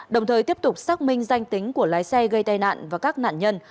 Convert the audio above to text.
đồng thời tiếp tục xác minh danh tính của lái xe gây tai nạn và các nạn nhân